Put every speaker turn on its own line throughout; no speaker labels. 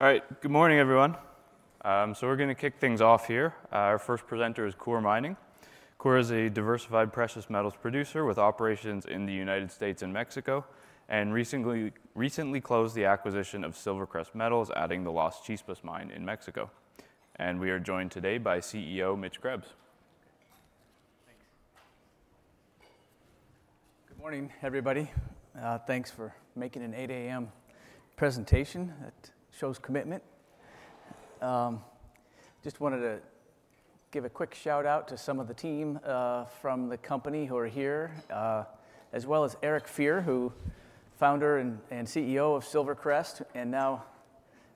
All right. Good morning, everyone. So we're going to kick things off here. Our first presenter is Coeur Mining. Coeur is a diversified precious metals producer with operations in the United States and Mexico, and recently closed the acquisition of SilverCrest Metals, adding the Las Chispas mine in Mexico. And we are joined today by CEO Mitch Krebs.
Thanks. Good morning, everybody. Thanks for making an 8:00 A.M. presentation. That shows commitment. Just wanted to give a quick shout-out to some of the team from the company who are here, as well as Eric Fier, who is the founder and CEO of SilverCrest and now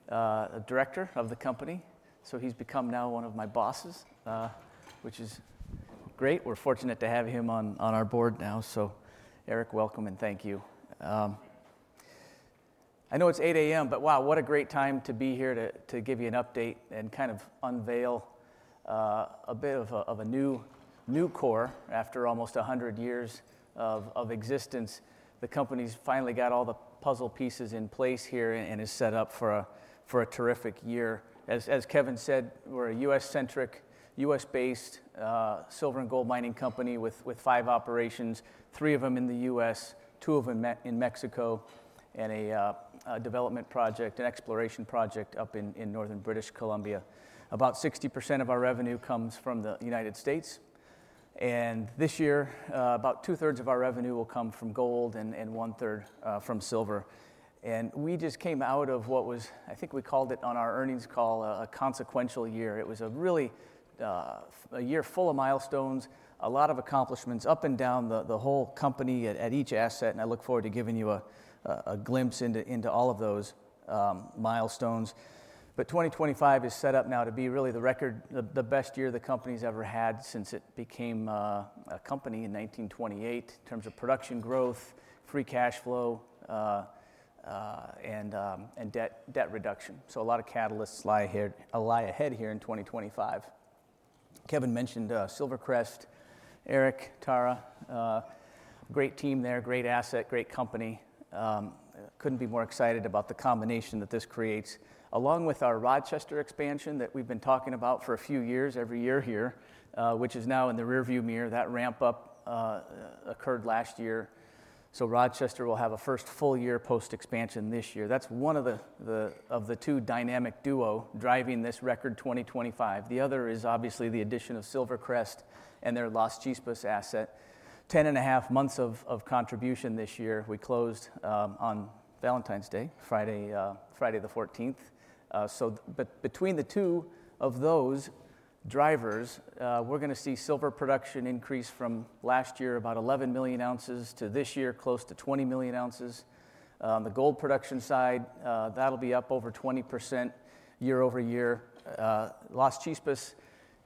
the director of the company. So he's become now one of my bosses, which is great. We're fortunate to have him on our board now. So Eric, welcome, and thank you. I know it's 8:00 A.M., but wow, what a great time to be here to give you an update and kind of unveil a bit of a new Coeur. After almost 100 years of existence, the company's finally got all the puzzle pieces in place here and is set up for a terrific year. As Kevin said, we're a U.S.-centric, U.S.-based silver and gold mining company with five operations: three of them in the U.S., two of them in Mexico, and a development project, an exploration project up in northern British Columbia. About 60% of our revenue comes from the United States. And this year, about two-thirds of our revenue will come from gold and one-third from silver. And we just came out of what was, I think we called it on our earnings call, a consequential year. It was really a year full of milestones, a lot of accomplishments up and down the whole company at each asset. And I look forward to giving you a glimpse into all of those milestones. But 2025 is set up now to be really the record, the best year the company's ever had since it became a company in 1928 in terms of production growth, free cash flow, and debt reduction. So a lot of catalysts lie ahead here in 2025. Kevin mentioned SilverCrest. Eric, Tara, great team there, great asset, great company. Couldn't be more excited about the combination that this creates, along with our Rochester expansion that we've been talking about for a few years every year here, which is now in the rearview mirror that ramp-up occurred last year. So Rochester will have a first full year post-expansion this year. That's one of the two dynamic duo driving this record 2025. The other is obviously the addition of SilverCrest and their Las Chispas asset, 10.5 months of contribution this year. We closed on Valentine's Day, Friday the 14th. But between the two of those drivers, we're going to see silver production increase from last year about 11 million ounces to this year close to 20 million ounces. On the gold production side, that'll be up over 20% year-over-year. Las Chispas,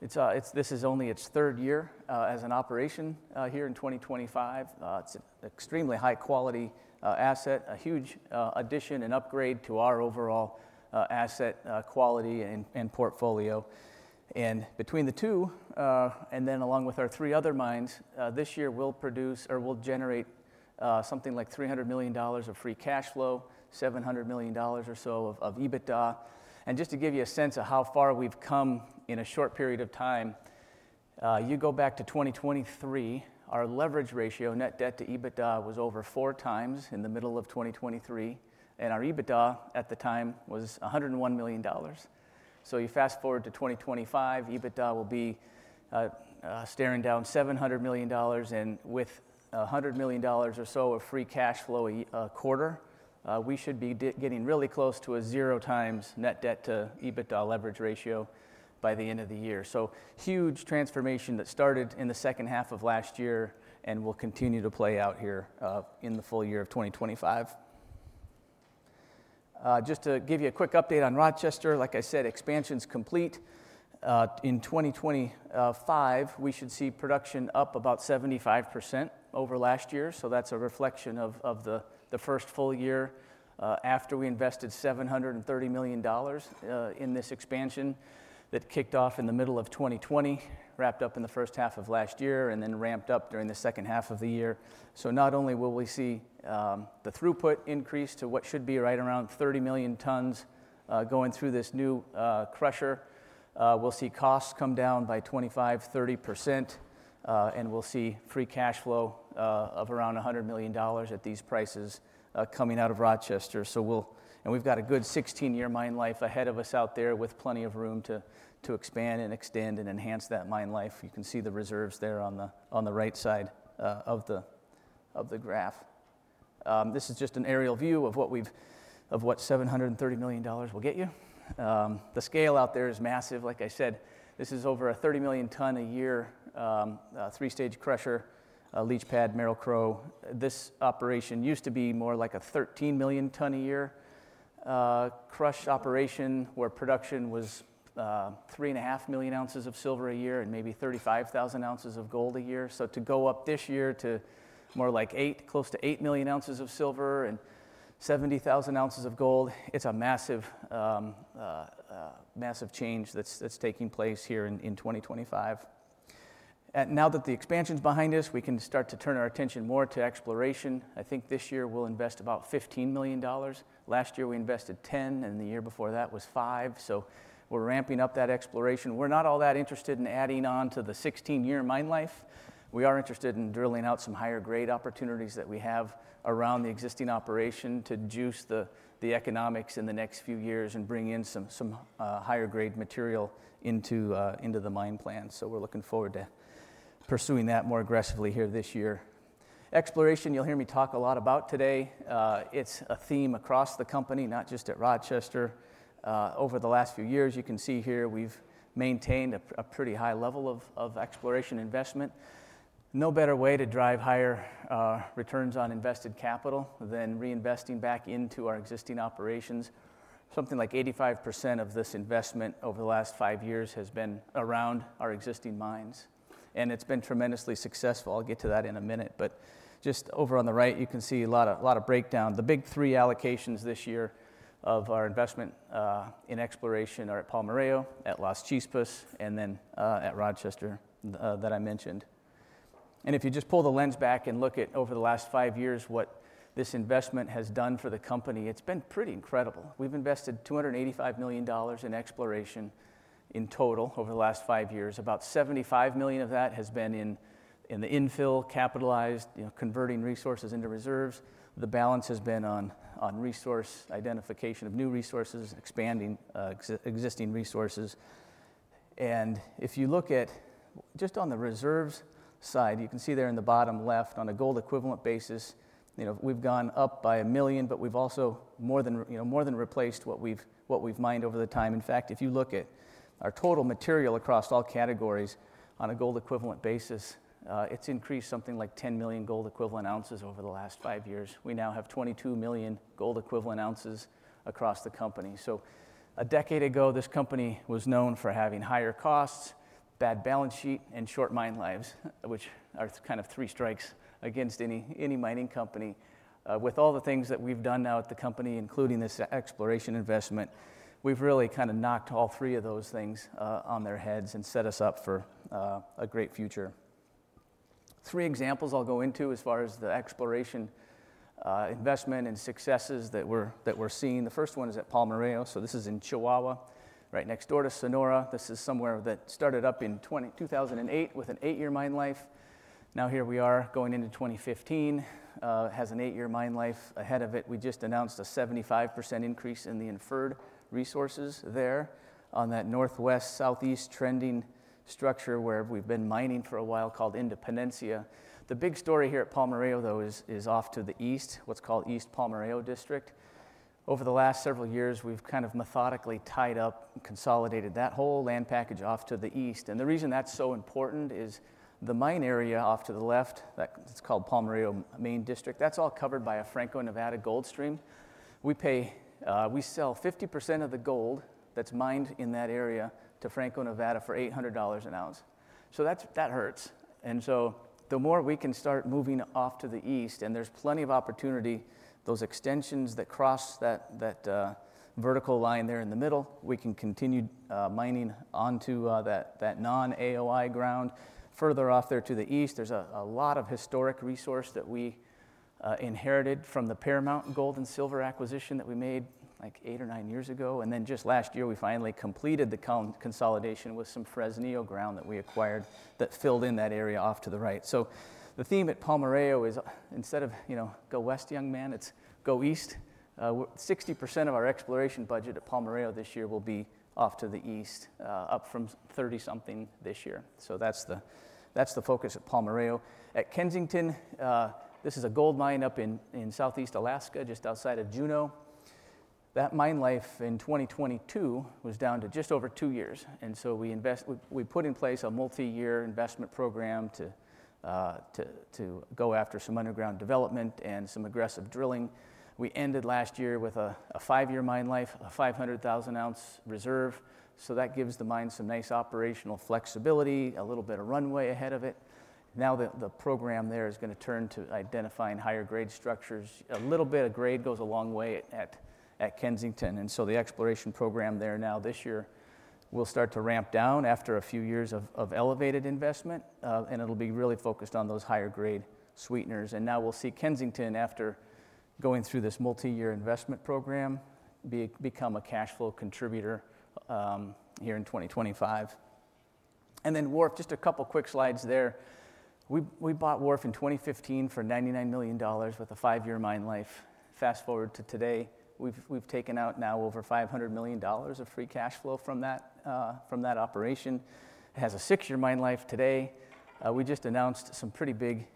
this is only its third year as an operation here in 2025. It's an extremely high-quality asset, a huge addition and upgrade to our overall asset quality and portfolio. And between the two, and then along with our three other mines, this year we'll produce or we'll generate something like $300 million of free cash flow, $700 million or so of EBITDA. And just to give you a sense of how far we've come in a short period of time, you go back to 2023, our leverage ratio, net debt to EBITDA, was over four times in the middle of 2023. Our EBITDA at the time was $101 million. You fast forward to 2025, EBITDA will be staring down $700 million. With $100 million or so of free cash flow a quarter, we should be getting really close to a zero times net debt to EBITDA leverage ratio by the end of the year. Huge transformation that started in the second half of last year and will continue to play out here in the full year of 2025. Just to give you a quick update on Rochester, like I said, expansion's complete. In 2025, we should see production up about 75% over last year. So that's a reflection of the first full year after we invested $730 million in this expansion that kicked off in the middle of 2020, wrapped up in the first half of last year, and then ramped up during the second half of the year. So not only will we see the throughput increase to what should be right around 30 million tons going through this new crusher, we'll see costs come down by 25%-30%, and we'll see free cash flow of around $100 million at these prices coming out of Rochester. And we've got a good 16-year mine life ahead of us out there with plenty of room to expand and extend and enhance that mine life. You can see the reserves there on the right side of the graph. This is just an aerial view of what $730 million will get you. The scale out there is massive. Like I said, this is over a 30 million tons a year three-stage crusher, leach pad, Merrill-Crowe. This operation used to be more like a 13 million tons a year crush operation where production was three and a half million ounces of silver a year and maybe 35,000 ounces of gold a year. So to go up this year to more like close to 8 million ounces of silver and 70,000 ounces of gold, it's a massive change that's taking place here in 2025. Now that the expansion's behind us, we can start to turn our attention more to exploration. I think this year we'll invest about $15 million. Last year we invested $10 million, and the year before that was $5 million. So we're ramping up that exploration. We're not all that interested in adding on to the 16-year mine life. We are interested in drilling out some higher-grade opportunities that we have around the existing operation to juice the economics in the next few years and bring in some higher-grade material into the mine plant. So we're looking forward to pursuing that more aggressively here this year. Exploration, you'll hear me talk a lot about today. It's a theme across the company, not just at Rochester. Over the last few years, you can see here we've maintained a pretty high level of exploration investment. No better way to drive higher returns on invested capital than reinvesting back into our existing operations. Something like 85% of this investment over the last five years has been around our existing mines. And it's been tremendously successful. I'll get to that in a minute. But just over on the right, you can see a lot of breakdown. The big three allocations this year of our investment in exploration are at Palmarejo, at Las Chispas, and then at Rochester that I mentioned. And if you just pull the lens back and look at over the last five years what this investment has done for the company, it's been pretty incredible. We've invested $285 million in exploration in total over the last five years. About $75 million of that has been in the infill, capitalized, converting resources into reserves. The balance has been on resource identification of new resources, expanding existing resources. And if you look at just on the reserves side, you can see there in the bottom left on a gold equivalent basis, we've gone up by a million, but we've also more than replaced what we've mined over the time. In fact, if you look at our total material across all categories on a gold equivalent basis, it's increased something like 10 million gold equivalent ounces over the last five years. We now have 22 million gold equivalent ounces across the company. So a decade ago, this company was known for having higher costs, bad balance sheet, and short mine lives, which are kind of three strikes against any mining company. With all the things that we've done now at the company, including this exploration investment, we've really kind of knocked all three of those things on their heads and set us up for a great future. Three examples I'll go into as far as the exploration investment and successes that we're seeing. The first one is at Palmarejo. So this is in Chihuahua, right next door to Sonora. This is somewhere that started up in 2008 with an eight-year mine life. Now here we are going into 2015. It has an eight-year mine life ahead of it. We just announced a 75% increase in the inferred resources there on that northwest, southeast trending structure where we've been mining for a while called Independencia. The big story here at Palmarejo, though, is off to the east, what's called East Palmarejo District. Over the last several years, we've kind of methodically tied up and consolidated that whole land package off to the east. And the reason that's so important is the mine area off to the left, that's called Palmarejo Main District, that's all covered by a Franco-Nevada gold stream. We sell 50% of the gold that's mined in that area to Franco-Nevada for $800 an ounce. So that hurts. The more we can start moving off to the east, and there's plenty of opportunity. Those extensions that cross that vertical line there in the middle, we can continue mining onto that non-AOI ground. Further off there to the east, there's a lot of historic resource that we inherited from the Paramount Gold and Silver acquisition that we made like eight or nine years ago. Then just last year, we finally completed the consolidation with some Fresnillo ground that we acquired that filled in that area off to the right. The theme at Palmarejo is instead of go west, young man, it's go east. 60% of our exploration budget at Palmarejo this year will be off to the east, up from 30-something this year. That's the focus at Palmarejo. At Kensington, this is a gold mine up in Southeast Alaska, just outside of Juneau. That mine life in 2022 was down to just over two years, and so we put in place a multi-year investment program to go after some underground development and some aggressive drilling. We ended last year with a five-year mine life, a 500,000-ounce reserve, so that gives the mine some nice operational flexibility, a little bit of runway ahead of it. Now the program there is going to turn to identifying higher-grade structures. A little bit of grade goes a long way at Kensington, and so the exploration program there now this year will start to ramp down after a few years of elevated investment, and it'll be really focused on those higher-grade sweeteners, and now we'll see Kensington, after going through this multi-year investment program, become a cash flow contributor here in 2025. Wharf, just a couple of quick slides there. We bought Wharf in 2015 for $99 million with a five-year mine life. Fast forward to today, we've taken out now over $500 million of free cash flow from that operation. It has a six-year mine life today. We just announced some pretty big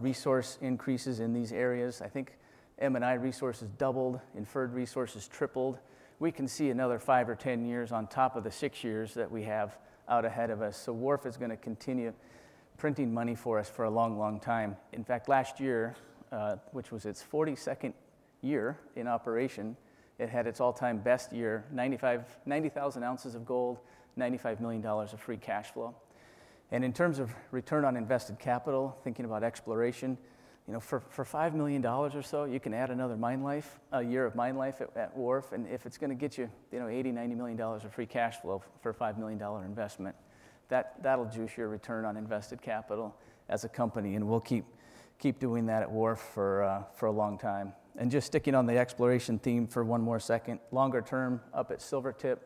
resource increases in these areas. I think M&I resources doubled, inferred resources tripled. We can see another five or ten years on top of the six years that we have out ahead of us. Wharf is going to continue printing money for us for a long, long time. In fact, last year, which was its 42nd year in operation, it had its all-time best year, 90,000 ounces of gold, $95 million of free cash flow. In terms of return on invested capital, thinking about exploration, for $5 million or so, you can add another mine life, a year of mine life at Wharf. If it's going to get you $80 million-$90 million of free cash flow for a $5 million investment, that'll juice your return on invested capital as a company. We'll keep doing that at Wharf for a long time. Just sticking on the exploration theme for one more second, longer term up at Silvertip,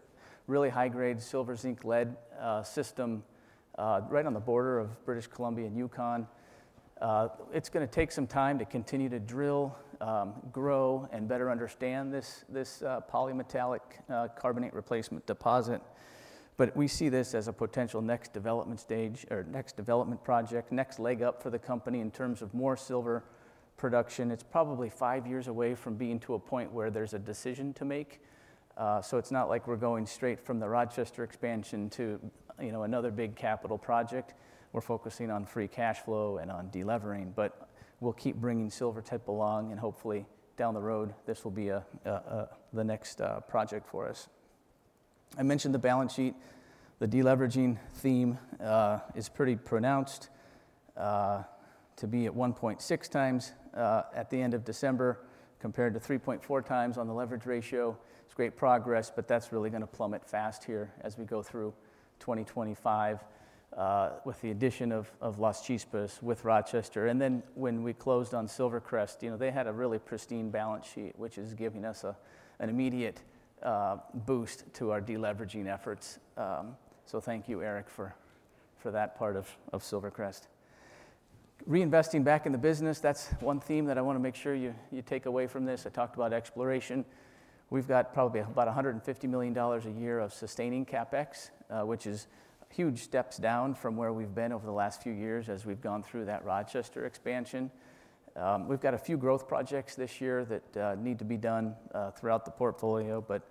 really high-grade silver zinc lead system right on the border of British Columbia and Yukon. It's going to take some time to continue to drill, grow, and better understand this polymetallic carbonate replacement deposit. But we see this as a potential next development stage or next development project, next leg up for the company in terms of more silver production. It's probably five years away from being to a point where there's a decision to make, so it's not like we're going straight from the Rochester expansion to another big capital project, we're focusing on free cash flow and on delevering, but we'll keep bringing Silvertip along, and hopefully, down the road, this will be the next project for us. I mentioned the balance sheet. The deleveraging theme is pretty pronounced to be at 1.6 times at the end of December compared to 3.4x on the leverage ratio. It's great progress, but that's really going to plummet fast here as we go through 2025 with the addition of Las Chispas with Rochester, and then when we closed on SilverCrest, they had a really pristine balance sheet, which is giving us an immediate boost to our deleveraging efforts. So thank you, Eric, for that part of SilverCrest. Reinvesting back in the business, that's one theme that I want to make sure you take away from this. I talked about exploration. We've got probably about $150 million a year of Sustaining CapEx, which is huge steps down from where we've been over the last few years as we've gone through that Rochester expansion. We've got a few growth projects this year that need to be done throughout the portfolio, but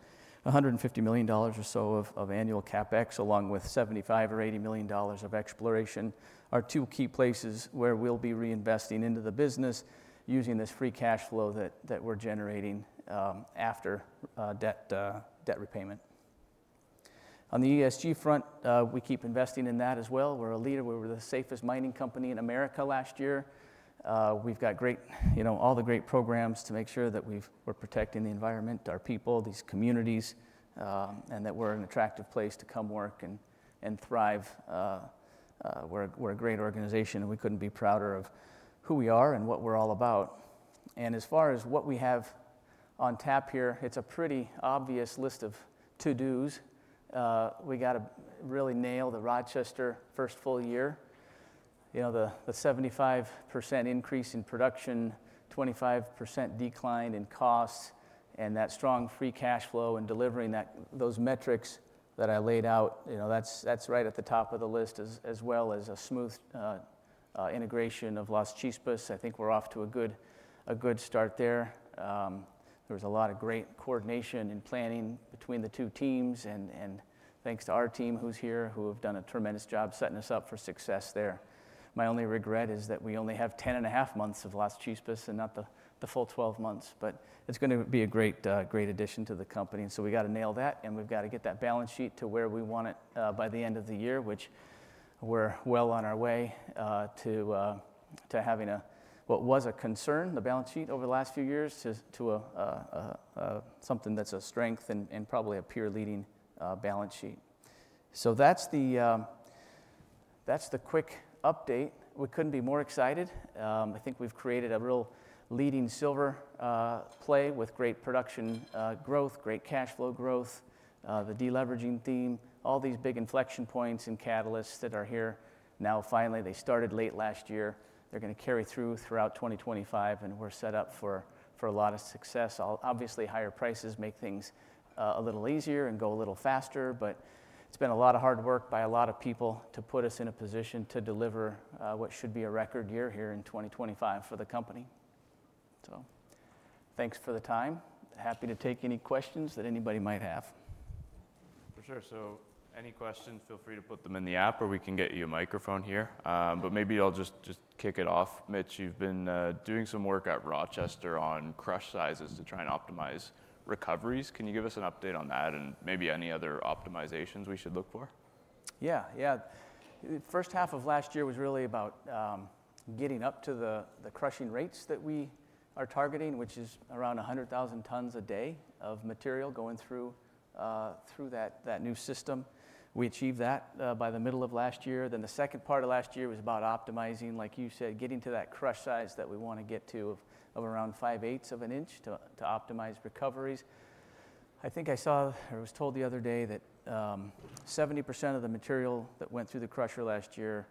$150 million or so of annual CapEx, along with $75 or $80 million of exploration, are two key places where we'll be reinvesting into the business using this free cash flow that we're generating after debt repayment. On the ESG front, we keep investing in that as well. We're a leader. We were the safest mining company in America last year. We've got all the great programs to make sure that we're protecting the environment, our people, these communities, and that we're an attractive place to come work and thrive. We're a great organization, and we couldn't be prouder of who we are and what we're all about. As far as what we have on tap here, it's a pretty obvious list of to-dos. We got to really nail the Rochester first full year, the 75% increase in production, 25% decline in costs, and that strong free cash flow and delivering those metrics that I laid out. That's right at the top of the list, as well as a smooth integration of Las Chispas. I think we're off to a good start there. There was a lot of great coordination and planning between the two teams. And thanks to our team who's here, who have done a tremendous job setting us up for success there. My only regret is that we only have 10.5 months of Las Chispas and not the full 12 months. But it's going to be a great addition to the company. And so we got to nail that, and we've got to get that balance sheet to where we want it by the end of the year, which we're well on our way to having what was a concern, the balance sheet over the last few years, to something that's a strength and probably a peer-leading balance sheet. So that's the quick update. We couldn't be more excited. I think we've created a real leading silver play with great production growth, great cash flow growth, the deleveraging theme, all these big inflection points and catalysts that are here. Now finally, they started late last year. They're going to carry through throughout 2025, and we're set up for a lot of success. Obviously, higher prices make things a little easier and go a little faster, but it's been a lot of hard work by a lot of people to put us in a position to deliver what should be a record year here in 2025 for the company. So thanks for the time. Happy to take any questions that anybody might have.
For sure. So any questions, feel free to put them in the app, or we can get you a microphone here. But maybe I'll just kick it off. Mitch, you've been doing some work at Rochester on crush sizes to try and optimize recoveries. Can you give us an update on that and maybe any other optimizations we should look for?
Yeah, yeah. The first half of last year was really about getting up to the crushing rates that we are targeting, which is around 100,000 tons a day of material going through that new system. We achieved that by the middle of last year. Then the second part of last year was about optimizing, like you said, getting to that crush size that we want to get to of around 5/8 of an inch to optimize recoveries. I think I saw or was told the other day that 70% of the material that went through the crusher last year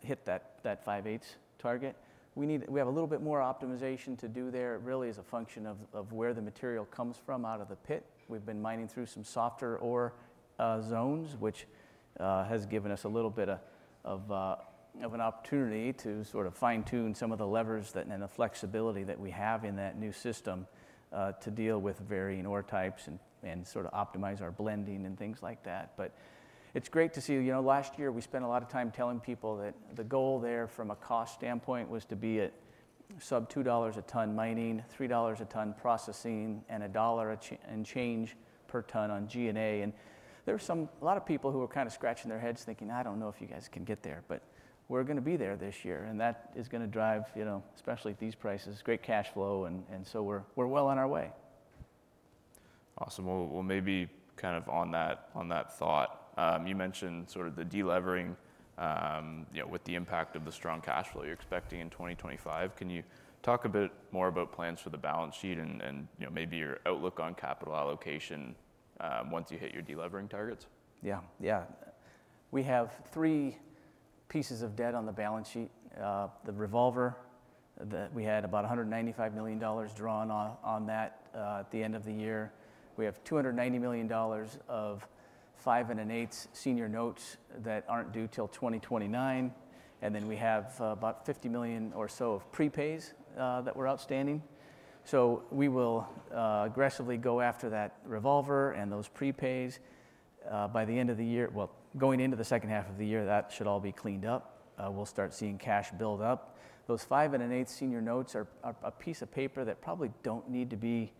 hit that 5/8 target. We have a little bit more optimization to do there. It really is a function of where the material comes from out of the pit. We've been mining through some softer ore zones, which has given us a little bit of an opportunity to sort of fine-tune some of the levers and the flexibility that we have in that new system to deal with varying ore types and sort of optimize our blending and things like that. But it's great to see last year we spent a lot of time telling people that the goal there from a cost standpoint was to be at sub $2 a ton mining, $3 a ton processing, and a dollar and change per ton on G&A. And there were a lot of people who were kind of scratching their heads thinking, "I don't know if you guys can get there," but we're going to be there this year. And that is going to drive, especially at these prices, great cash flow. And so we're well on our way.
Awesome. Well, maybe kind of on that thought, you mentioned sort of the delevering with the impact of the strong cash flow you're expecting in 2025. Can you talk a bit more about plans for the balance sheet and maybe your outlook on capital allocation once you hit your delevering targets?
Yeah, yeah. We have three pieces of debt on the balance sheet. The revolver, we had about $195 million drawn on that at the end of the year. We have $290 million of 5 1/8 senior notes that aren't due till 2029. And then we have about $50 million or so of prepays that were outstanding. So we will aggressively go after that revolver and those prepays by the end of the year. Well, going into the second half of the year, that should all be cleaned up. We'll start seeing cash build up. Those 5 1/8 senior notes are a piece of paper that probably don't need to be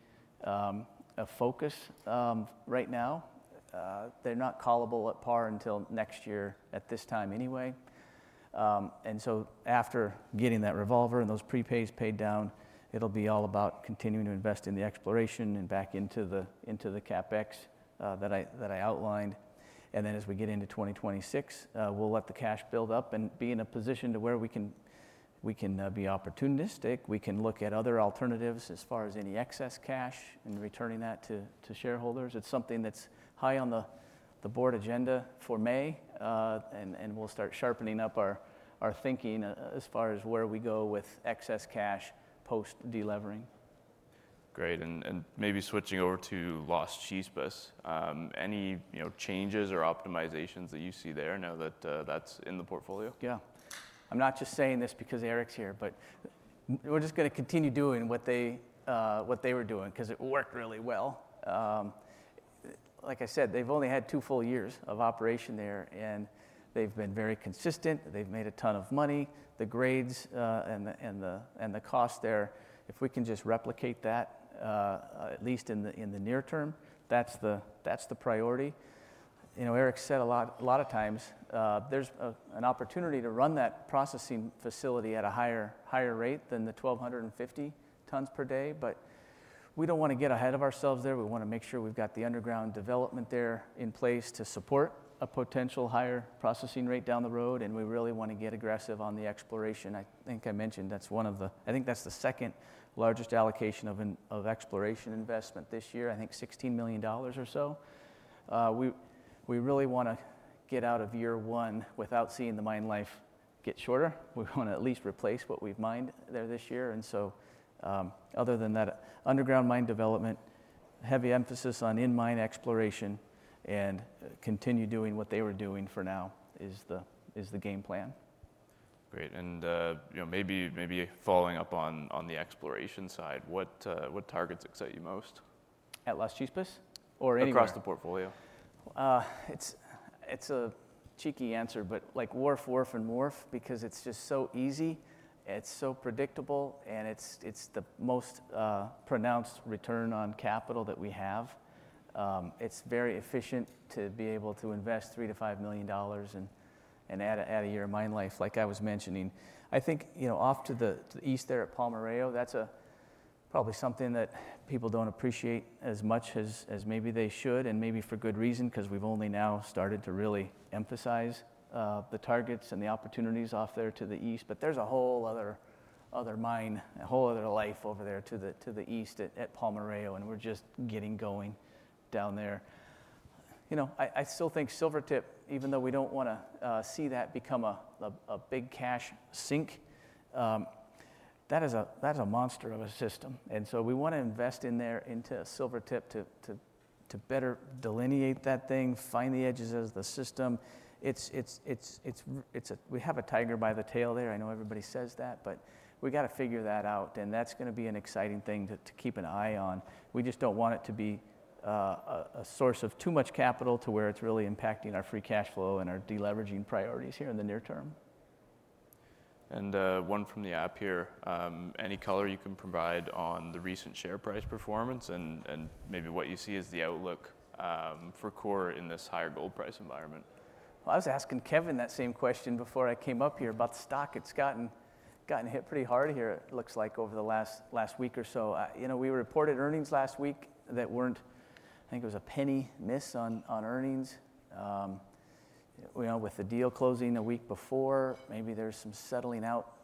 a focus right now. They're not callable at par until next year at this time anyway. And so after getting that revolver and those prepays paid down, it'll be all about continuing to invest in the exploration and back into the CapEx that I outlined. And then as we get into 2026, we'll let the cash build up and be in a position to where we can be opportunistic. We can look at other alternatives as far as any excess cash and returning that to shareholders. It's something that's high on the board agenda for May. And we'll start sharpening up our thinking as far as where we go with excess cash post delevering.
Great. And maybe switching over to Las Chispas, any changes or optimizations that you see there now that that's in the portfolio?
Yeah. I'm not just saying this because Eric's here, but we're just going to continue doing what they were doing because it worked really well. Like I said, they've only had two full years of operation there, and they've been very consistent. They've made a ton of money. The grades and the cost there, if we can just replicate that, at least in the near term, that's the priority. Eric said a lot of times, there's an opportunity to run that processing facility at a higher rate than the 1,250 tons per day. But we don't want to get ahead of ourselves there. We want to make sure we've got the underground development there in place to support a potential higher processing rate down the road, and we really want to get aggressive on the exploration. I think I mentioned that's one of the. I think that's the second largest allocation of exploration investment this year, I think $16 million or so. We really want to get out of year one without seeing the mine life get shorter. We want to at least replace what we've mined there this year. And so other than that, underground mine development, heavy emphasis on in-mine exploration, and continue doing what they were doing for now is the game plan.
Great. And maybe following up on the exploration side, what targets excite you most?
At Las Chispas or any?
Across the portfolio.
It's a cheeky answer, but like Wharf, Wharf, and Wharf because it's just so easy. It's so predictable, and it's the most pronounced return on capital that we have. It's very efficient to be able to invest $3 million-$5 million and add a year of mine life, like I was mentioning. I think off to the east there at Palmarejo, that's probably something that people don't appreciate as much as maybe they should, and maybe for good reason because we've only now started to really emphasize the targets and the opportunities off there to the east. But there's a whole other mine, a whole other life over there to the east at Palmarejo, and we're just getting going down there. I still think Silvertip, even though we don't want to see that become a big cash sink, that is a monster of a system. We want to invest in there into Silvertip to better delineate that thing, find the edges as the system. We have a tiger by the tail there. I know everybody says that, but we got to figure that out. That's going to be an exciting thing to keep an eye on. We just don't want it to be a source of too much capital to where it's really impacting our free cash flow and our deleveraging priorities here in the near term.
One from the app here, any color you can provide on the recent share price performance and maybe what you see as the outlook for Coeur in this higher gold price environment?
Well, I was asking Kevin that same question before I came up here about the stock. It's gotten hit pretty hard here, it looks like, over the last week or so. We reported earnings last week that weren't, I think it was a $0.01 miss on earnings with the deal closing a week before. Maybe there's some settling out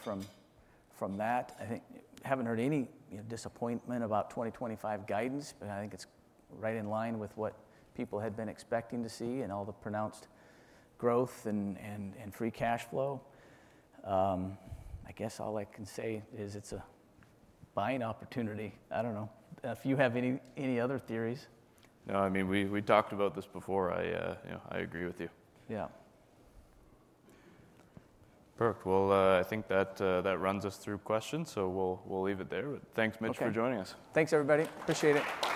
from that. I haven't heard any disappointment about 2025 guidance, but I think it's right in line with what people had been expecting to see and all the pronounced growth and free cash flow. I guess all I can say is it's a buying opportunity. I don't know if you have any other theories.
No, I mean, we talked about this before. I agree with you.
Yeah.
Perfect. I think that runs us through questions, so we'll leave it there. Thanks, Mitch, for joining us.
Thanks, everybody. Appreciate it.